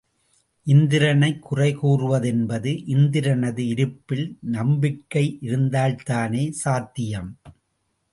இந்திரனைக் குறை கூறுவதென்பது இந்திரனது இருப்பில் நம்பிக்கையிருந்தால்தானே சாத்தியம்?